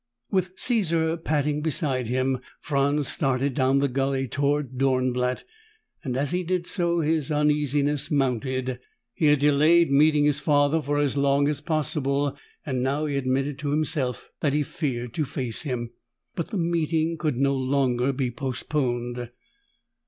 With Caesar padding beside him, Franz started down the gulley toward Dornblatt and as he did so, his uneasiness mounted. He had delayed meeting his father for as long as possible, and now he admitted to himself that he feared to face him. But the meeting could no longer be postponed.